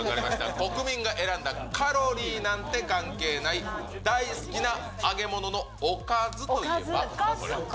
国民が選んだカロリーなんて関係ない大好きな揚げ物のおかずおかず。